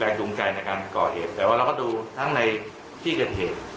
จูงใจในการก่อเหตุแต่ว่าเราก็ดูทั้งในที่เกิดเหตุ